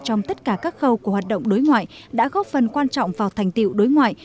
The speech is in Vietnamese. trong tất cả các khâu của hoạt động đối ngoại đã góp phần quan trọng vào thành tiệu đối ngoại